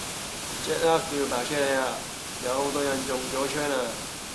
即刻叫白車嚟吖，有好多人中咗槍啊